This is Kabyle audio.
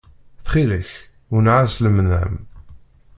Ttxil-k wenneɛ-as lemnam.